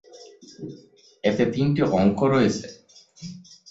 এতে তিনটি অঙ্ক রয়েছে।